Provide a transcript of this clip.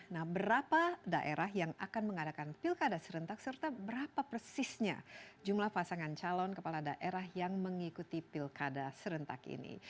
nah berapa daerah yang akan mengadakan pilkada serentak serta berapa persisnya jumlah pasangan calon kepala daerah yang mengikuti pilkada serentak ini